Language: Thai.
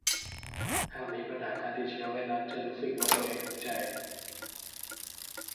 หากมีปัญหาการติดเชื้อไวรัสจะรู้สึกว่าตัวเองทุกข์ใจ